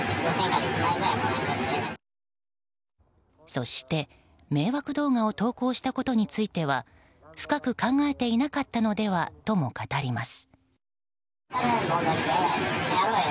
そして、迷惑動画を投稿したことについては深く考えていなかったのではとも語ります。